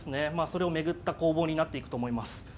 それを巡った攻防になっていくと思います。